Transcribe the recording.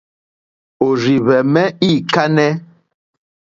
Òrzìhwɛ̀mɛ́ î kánɛ́.